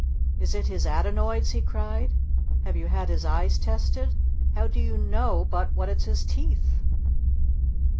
"Is it his adenoids?" he cried. "Have you had his eyes tested? How do you know but what it's his teeth?"